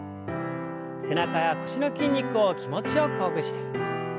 背中や腰の筋肉を気持ちよくほぐして。